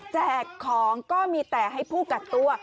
แจกของก็มีแต่ให้ผู้กักตัว